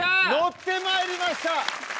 ッてまいりました。